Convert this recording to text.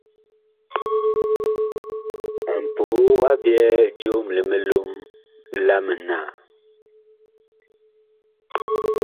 Mpoo a byɛɛ joom li milom la mitaan.